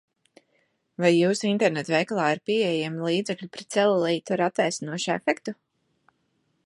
Vai jūsu interneta veikalā ir pieejami līdzekļi pret celulītu ar atvēsinošu efektu?